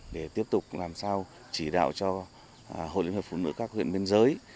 để tiếp tục làm sao chỉ đạo cho hội liên hiệp phụ nữ các huyện biên giới